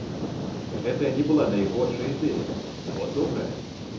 Гэта не была найгоршая ідэя, нават добрая.